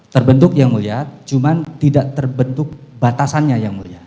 terbentuk yang mulia cuman tidak terbentuk batasannya yang mulia